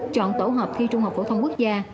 chọn tổ hợp thi trung học phổ thông quốc gia